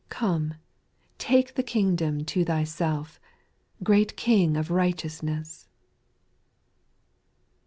Come, take the kingdom to Thyself, Great King of righteousness.